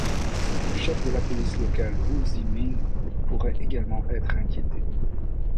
Le chef de la police locale Wu Zhiming pourrait également être inquiété.